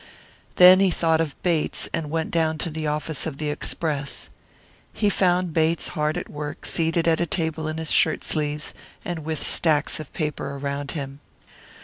Then he thought of Bates, and went down to the office of the Express. He found Bates hard at work, seated at a table in his shirt sleeves, and with stacks of papers around him.